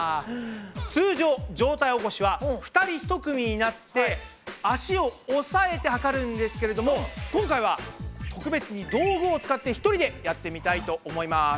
通常上体起こしは２人ひと組になって脚を押さえて測るんですけれども今回は特別に道具を使って１人でやってみたいと思います。